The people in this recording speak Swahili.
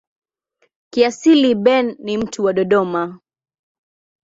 Kiasili Ben ni mtu wa Dodoma.